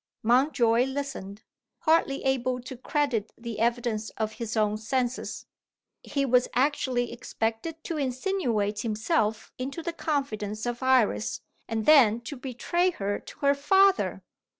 Mountjoy listened, hardly able to credit the evidence of his own senses; he was actually expected to insinuate himself into the confidence of Iris, and then to betray her to her father!